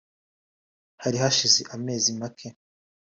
Hari hashize amezi make